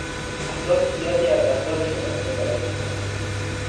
افراد زیادی از ابزار شما استفاده میکنند